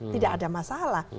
tidak ada masalah